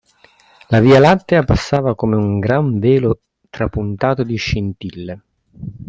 La via lattea passava come un gran velo trapuntato di scintille.